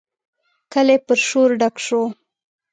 کلی پر شور ډک شو.